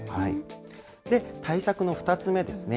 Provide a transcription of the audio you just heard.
対策の２つ目ですね。